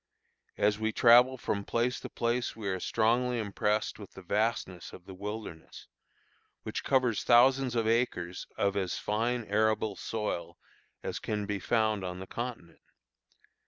As we travel from place to place we are strongly impressed with the vastness of the wilderness, which covers thousands of acres of as fine arable soil as can be found on the continent.